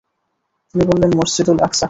তিনি বললেন, মসজিদুল আকসা।